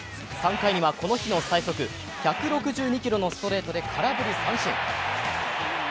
３回にはこの日の最速、１６２キロのストレートで空振り三振。